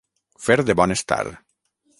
Fer de bon estar.